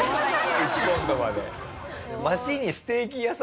１ポンドまで。